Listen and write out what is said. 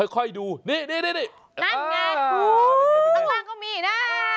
ค่อยดูนี่นั่นไงข้างล่างก็มีนะ